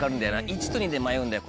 １と２で迷うんだよ